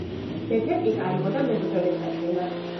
მეფემ ის აიღო და მებრძოლებს აჩვენა.